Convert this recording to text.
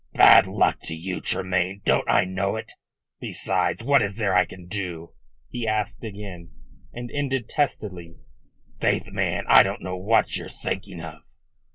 "Bad luck to you, Tremayne, don't I know it? Besides, what is there I can do?" he asked again, and ended testily: "Faith, man, I don't know what you're thinking of."